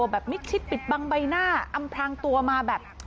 บางใบหน้าอำพลังตัวมาแบบ